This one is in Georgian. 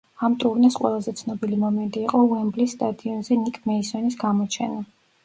ამ ტურნეს ყველაზე ცნობილი მომენტი იყო უემბლის სტადიონზე ნიკ მეისონის გამოჩენა.